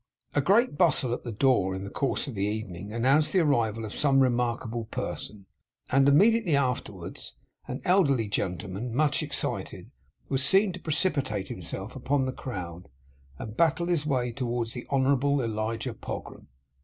A great bustle at the door, in the course of the evening, announced the arrival of some remarkable person; and immediately afterwards an elderly gentleman, much excited, was seen to precipitate himself upon the crowd, and battle his way towards the Honourable Elijah Pogram.